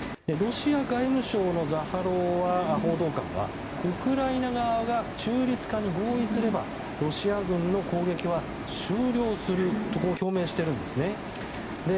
ロシア外務省のザハロワ報道官はウクライナ側が中立化に合意すればロシア軍の攻撃は終了すると表明しているんですね。